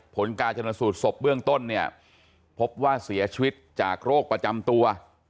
ผลการชนสูตรศพเบื้องต้นเนี่ยพบว่าเสียชีวิตจากโรคประจำตัว